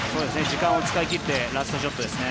時間を使い切ってラストショットですね。